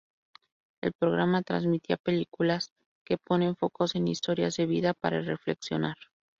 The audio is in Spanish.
El programa transmitía películas que ponen foco en historias de vida para reflexionar.